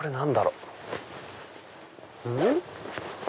うん？